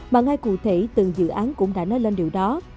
mà ngay cụ thể từng dự án cũng đã nói lên điều đó